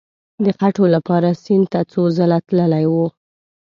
د خټو لپاره سیند ته څو ځله تللی وو.